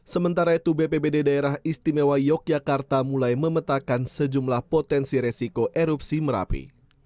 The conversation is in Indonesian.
sementara itu bpbd daerah istimewa yogyakarta mulai memetakan sejumlah potensi resiko erupsi merapi